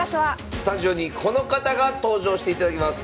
スタジオにこの方が登場していただきます。